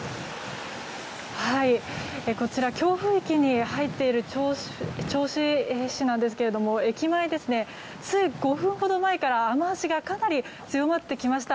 こちら強風域に入っている銚子市なんですけれども駅前、つい５分ほど前から雨脚がかなり強まってきました。